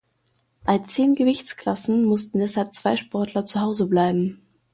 Bei zehn Gewichtsklassen mussten deshalb zwei Sportler zuhause bleiben.